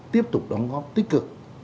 tiếp tục đóng góp tích cực